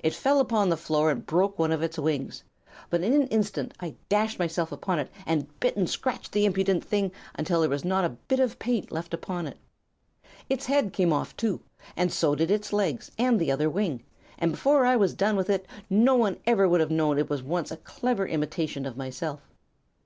It fell upon the floor and broke one of its wings; but in an instant I dashed myself upon it and bit and scratched the impudent thing until there was not a bit of paint left upon it. Its head came off, too, and so did its legs and the other wing, and before I was done with it no one ever would have known it was once a clever imitation of myself.